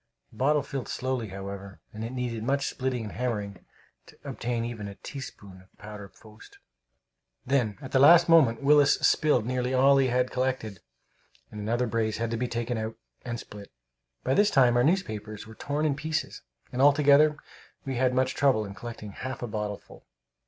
The bottle filled slowly, however, and it needed much splitting and hammering to obtain even a teaspoonful of powder post. Then, at the last moment, Willis spilled nearly all that he had collected, and another brace had to be taken out and split. By this time our newspapers were torn in pieces, and altogether we had much trouble in collecting half a bottleful.